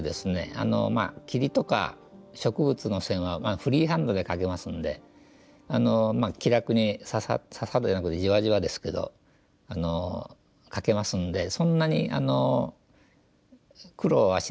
あのまあ霧とか植物の線はフリーハンドで描けますんであのまあ気楽にササッササッじゃなくてじわじわですけど描けますんでそんなに苦労はしないですね。